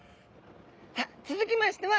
さあ続きましては